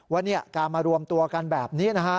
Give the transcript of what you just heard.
ว่าเนี่ยการมารวมตัวกันแบบนี้